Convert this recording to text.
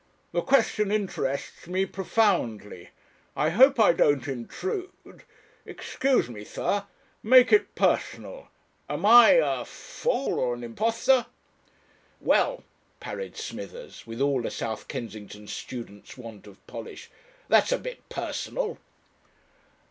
The question interests me profoundly. I hope I don't intrude. Excuse me, sir. Make it personal. Am I a fool, or an impostor?" "Well," parried Smithers, with all a South Kensington student's want of polish, "that's a bit personal."